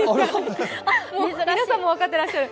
皆さんも分かってらっしゃる。